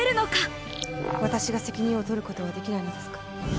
私が責任を取ることはできないのですか。